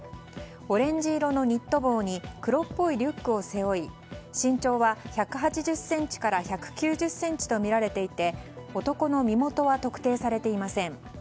オレンジ色のニット帽に黒っぽいリュックを背負い身長は１８０ｃｍから１９０ｃｍとみられていて男の身元は特定されていません。